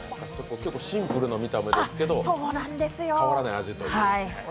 シンプルな見た目ですけど変わらない味という。